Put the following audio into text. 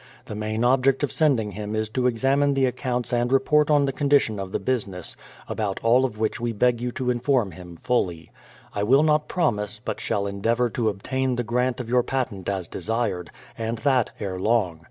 The main object of sending him is to examine the accounts and report on the condition of the business, about all of which we beg you to inform him fully. I will not promise, but shall endeavour to obtain the grant of your patent as desired, and that ere long.